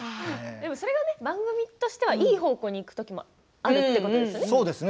それが番組としてはいい方向にいくことがあるんですね。